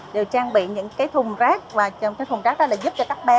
đều trang bị những cái thùng rác và cái thùng rác đó là giúp cho các bé